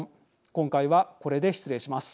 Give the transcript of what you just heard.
今回はこれで失礼します。